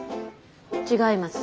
違います。